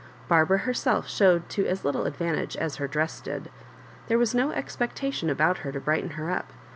Barbara herself showed to as little advan tage as her dress did. There was no expectation about her to brighten her up.